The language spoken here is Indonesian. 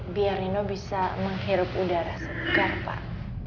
biar nino bisa menghirup udara segar pak